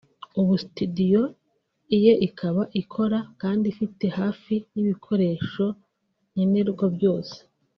ubu studio ye ikaba ikora kandi ifite hafi y’ibikoresho nkenerwa byose